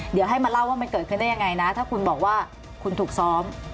เดี๋ยวให้มาเล่าว่ามันเกิดขึ้นได้ยังไงนะถ้าคุณบอกว่าคุณถูกซ้อม